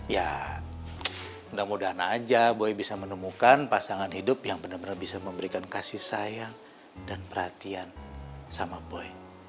ya mudah mudahan aja boy bisa menemukan pasangan hidup yang benar benar bisa memberikan kasih sayang dan perhatian sama boy